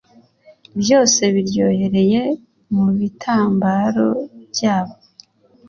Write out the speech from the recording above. byose biryohereye mubitambaro byabo